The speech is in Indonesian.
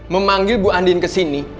memanggil bu andi kesini